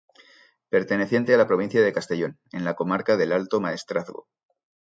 Perteneciente a la provincia de Castellón, en la comarca del Alto Maestrazgo.